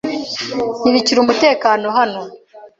Ntibikiri umutekano hano.